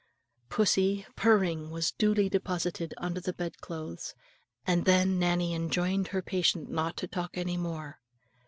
Pussy, purring, was duly deposited under the bed clothes; and then Nannie enjoined her patient not to talk any more.